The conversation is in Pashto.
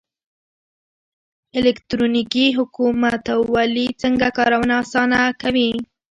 الکترونیکي حکومتولي څنګه کارونه اسانه کوي؟